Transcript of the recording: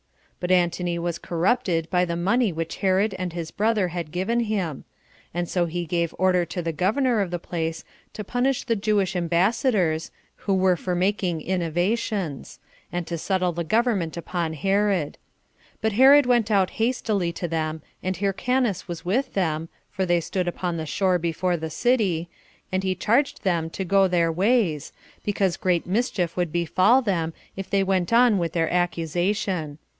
But Antony was corrupted by the money which Herod and his brother had given him; and so he gave order to the governor of the place to punish the Jewish ambassadors, who were for making innovations, and to settle the government upon Herod; but Herod went out hastily to them, and Hyrcanus was with him, [for they stood upon the shore before the city,] and he charged them to go their ways, because great mischief would befall them if they went on with their accusation.